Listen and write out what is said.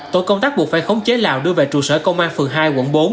tổ công tác buộc phải khống chế lào đưa về trụ sở công an phường hai quận bốn